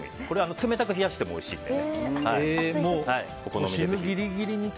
冷たく冷やしてもおいしいです。